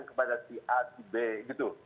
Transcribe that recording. kepada si a si b gitu